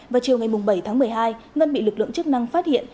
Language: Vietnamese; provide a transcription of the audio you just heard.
vào chiều ngày bảy tháng một mươi hai ngân bị lực lượng chức năng phát hiện